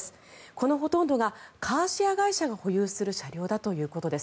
このほとんどがカーシェア会社が保有する車両だということです。